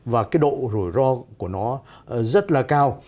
và cái độ rủi ro của nó rất là cao